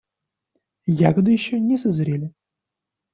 Ягоды еще не созрели.